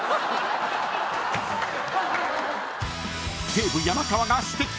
［西武山川が指摘］